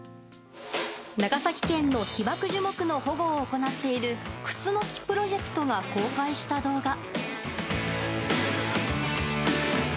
長崎県の被爆樹木の保護を行っているクスノキプロジェクトが公開した動画。